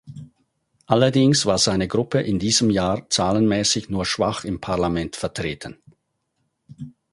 Allerdings war seine Gruppe in diesem Jahr zahlenmäßig nur schwach im Parlament vertreten.